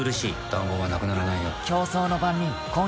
談合はなくならないよ。